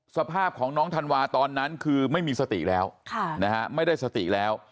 สภาพของน้องธันวาตอนนั้นคือไม่มีสติแล้วไม่ได้สติแล้ว